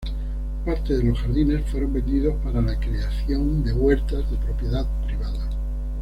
Parte de los jardines fueron vendidos para la creación de huertas de propiedad privada.